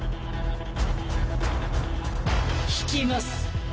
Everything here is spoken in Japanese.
退きます。